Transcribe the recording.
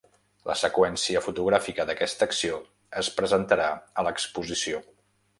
La seqüència fotogràfica d’aquesta acció es presentarà a l’exposició.